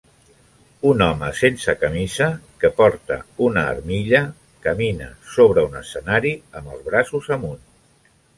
Un home sense camisa que porta una armilla camina sobre un escenari amb els braços amunt.